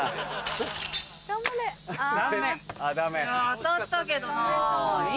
当たったけどな。